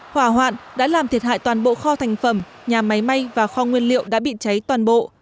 hỏa hoạn đã làm thiệt hại toàn bộ kho thành phẩm nhà máy may và kho nguyên liệu đã bị cháy toàn bộ